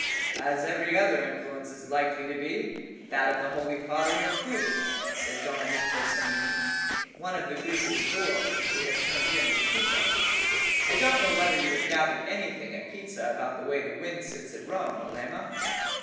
"As every other influence is likely to be, that of the Holy Father included," said Domenico Cennini, one of the group at the door, who had turned in with Tito. "I don't know whether you have gathered anything at Pisa about the way the wind sits at Rome, Melema?"